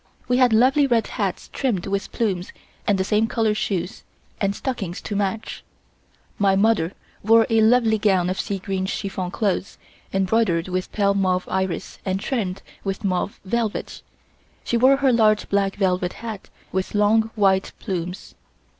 We had lovely red hats trimmed with plumes and the same color shoes, and stockings to match. My mother wore a lovely gown of sea green chiffon cloth embroidered with pale mauve iris and trimmed with mauve velvet; she wore her large black velvet hat with long white plumes.